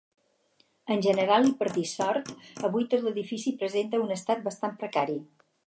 En general, i per dissort, avui tot l'edifici presenta un estat bastant precari.